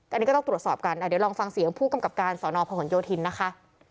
อันนี้ก็ต้องตรวจสอบกันเดี๋ยวลองฟังเสียงผู้กำกับการสอนอพหนโยธินนะคะ